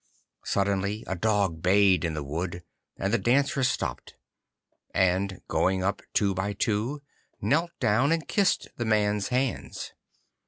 Suddenly a dog bayed in the wood, and the dancers stopped, and going up two by two, knelt down, and kissed the man's hands.